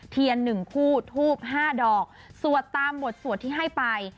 เทียน๑คู่ทูบ๕ดอกสวดตามบทสวดที่ให้ไป